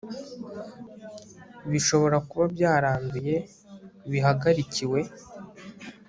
bishobora kuba byaranduye bihagarikiwe